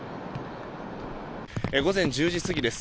午前１０時過ぎです。